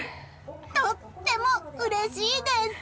とってもうれしいです！